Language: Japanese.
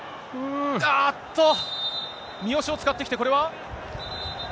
あっと、三好を使ってきて、これは。